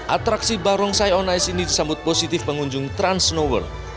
atraksi barongsai on ice ini disambut positif pengunjung transnoworld